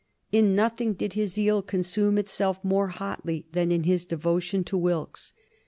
In nothing did his zeal consume itself more hotly than in his devotion to Wilkes.